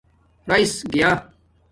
رائس گیا